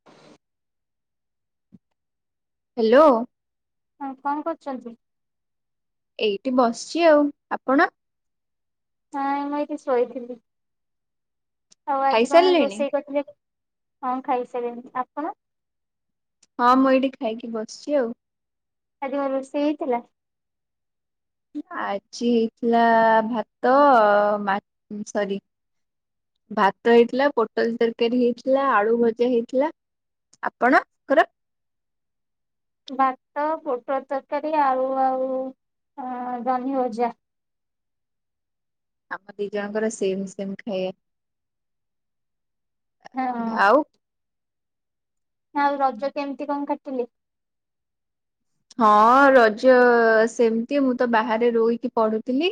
[inaudible] Hello. ହଁ କଣ କରୁଛନ୍ତି। ଏଇଠି ବସିଛି ଆଉ ଆପଣ। ହଁ ମୁଁ ଏଠି ଶୋଇଥିଲି ଆଉ ଆଜି କଣ ଖାଇସାରିଲେଣି? ରୋଷେଇ କରିଥିଲେ। ହଁ ଖାଇସାରିଲିନି ଆପଣ। ହଁ ମୁଁ ଏଇଠି ଖାଇକି ବସିଛି ଆଉ। ଆଜି କଣ ରୋଷେଇ ହେଇଥିଲା। ଆଜି ହେଇଥିଲା ଭାତ ମା ସରି। ଭାତ ହେଇଥିଲା ପୋଟଲ ତରକାରୀ ହେଇଥିଲା ଆଳୁ ଭଜା ହେଇଥିଲା ଆପଣ। ଭାତ ପୋଟଳ ତରକାରୀ ଆଳୁ ଆଉ ଜହ୍ନି ଭଜା। ଆମ ଦି ଜଣଙ୍କର ସେମ୍ ସେମ୍ ହଁ ଖାଇବା ଆଉ। ନା ଆଉ ରଜ କେମିତି କଣ କାଟିଲେ। ହଁ ରଜ ସେମିତି ମୁଁ ତ ବାହାରେ ରହିକି ପଢୁଥିଲି।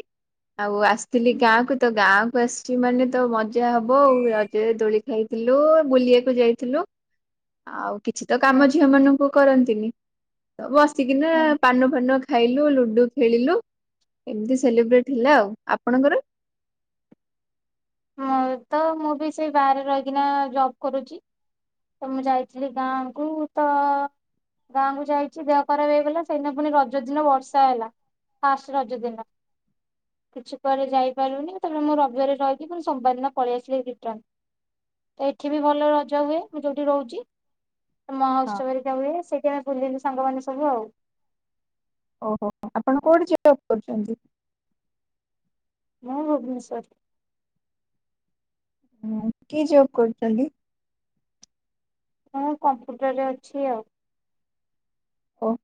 ଆଉ ଆସିଥିଲି ହୁଁ ଗାଁ କୁ ତ ଗାଁ କୁ ଆସିଛି ମାନେ ତ ମଜା ହବ ଆଉ ରଜରେ ଦୋଳି। ଖାଇଥିଲୁ ବୁଲିବାକୁ ଯାଇଥିଲୁ ଆଉ କିଛି ତ ହୁଁ କାମ ଝିଅ ମାନଙ୍କୁ କରନ୍ତିନି। ବସିକିନା ପାନ ଫାନ। ଖାଇଲୁ ଲୁଡୁ ଖେଳିଲୁ ଏମିତି ସେଲିବ୍ରେଟ ହେଲା ଆଉ ଆପଣଙ୍କର‌‌। ମୁଁ ତ ମୁଁ ବି ସେଇ ବାହାରେ ରହିକିନା ଜବ୍ କରୁଛି। ତ ମୁଁ ଯାଇଥିଲି ଗାଁକୁ ତ। ଗାଁକୁୁ ଯାଇଛି ଦେହ ଖରାପ ହେଇଗଲା ସେଇଦିନା ପୁଣି ରଜ ଦିନ ବର୍ଷା ହେଲା। ଫାଷ୍ଟ୍ ରଜ ଦିନ କିଛି କୁଆଡେ ଯାଇପାରୁନି ତାପରେ ମୁଁ ରବିବାରେ ରହି। ପୁଣୂ ସୋମବାର ଦିନ ପଳେଇ ଆସିଲି ରିଟର୍ଣ ତ ଏଠି ବି ଭଲ ରଜ ହୁଏ ମୁଁ ଯୋଉଠି ରହୁଛି। ହଁ ମହୋଉତ୍ସବ ଘରିକା ହୁଏ ସେଇଠି ଆମେ ବୁଲଲୁ ସାଙ୍ଗମାନେ ସବୁ ଆଉ। ଓହୋ ଆପଣ କୋଉଠି ଜବ୍ କରୁଛନ୍ତି। ମୁଁ ଭୁବନେଶ୍ଵର। ହଁ କି ଜବ୍ କରୁଛନ୍ତି। ମୁଁ କମ୍ପ୍ୟୁଟରରେ ଅଛି ଆଉ। ଓ